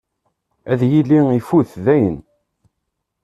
Ad yili ifut dayen.